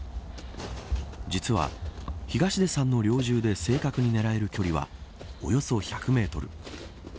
実は東出さんの猟銃で正確に狙える距離はおよそ１００メートル。